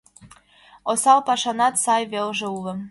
— Осал пашанат сай велже уло.